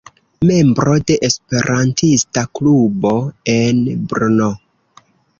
Membro de Esperantista klubo en Brno.